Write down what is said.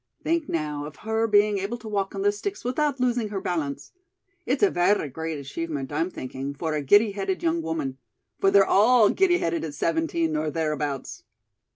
Think now, of her being able to walk on those sticks without losing her balance. It's a verra great achievement, I'm thinking, for a giddy headed young woman. For they're all giddy headed at seventeen or thereabouts."